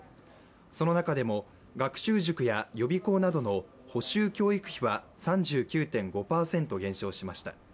その中でも学習塾や、予備校などの補修教育費は３９．５％減少しました。